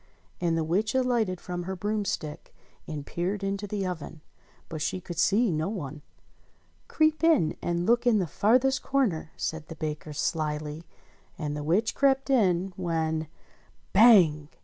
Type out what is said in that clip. And the witch alighted from her broomstick and peered into the oven : but she could see no one. "Creep in and look in the farthest corner," said the baker slyly, and the witch crept in when Bang